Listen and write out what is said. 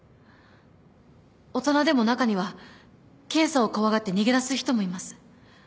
大人でも中には検査を怖がって逃げ出す人もいます。